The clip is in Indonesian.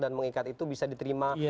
dan mengikat itu bisa diterima